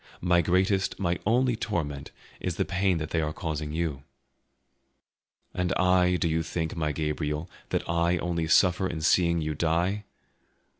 My greatest, my only torment is the pain that they are causing you." "And I, do you think, my Gabriel, that I only suffer in seeing you die?